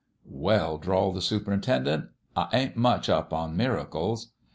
"Well," drawled the superintendent, "I ain't much up on miracles."